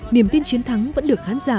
niềm tin chiến thắng vẫn được khán giả